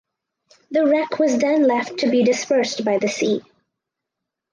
The wreck was then left to be dispersed by the sea.